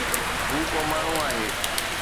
هو ڪو ماڻهو آهي.